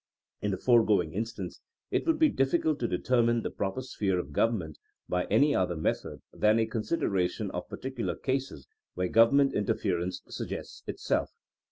In the foregoing in stance, it would be difficult to determine the proper sphere of government by any other method than a consideration of particular cases where government interference suggests itself.